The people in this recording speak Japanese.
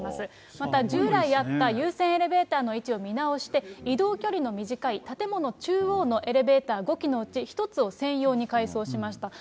また従来あった優先エレベーターの位置を見直して、移動距離の短い建物中央のエレベーター５基のうち１つを専用に改装しました。